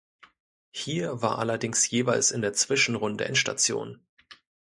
Hier war allerdings jeweils in der Zwischenrunde Endstation.